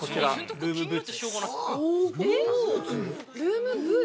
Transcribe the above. ◆ルームブーツ？